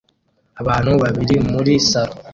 Abantu babiri muri salo